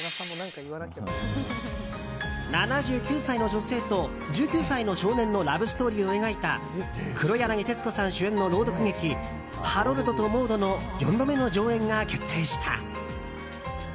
７９歳の女性と１９歳の少年のラブストーリーを描いた黒柳徹子さん主演の朗読劇「ハロルドとモード」の４度目の上演が決定した。